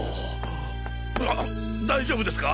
あっ大丈夫ですか？